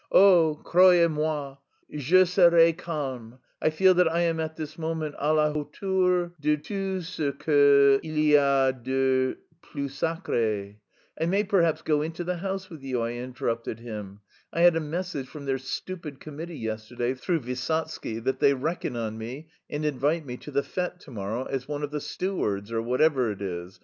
Oh, croyez moi, je serai calme. I feel that I am at this moment à la hauteur de tout ce que il y a de plus sacré...." "I may perhaps go into the house with you," I interrupted him. "I had a message from their stupid committee yesterday through Vysotsky that they reckon on me and invite me to the fête to morrow as one of the stewards or whatever it is...